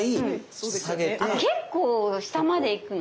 結構下までいくの？